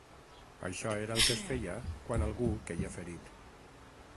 Això era el que es feia quan algú queia ferit